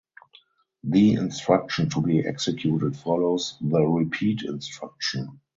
The instruction to be executed follows the "repeat" instruction.